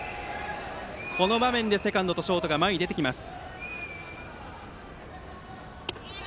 この場面でセカンドとショートは前に出てきます。